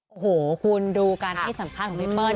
โอ้โหคุณดูการให้สัมภาษณ์ของพี่เปิ้ล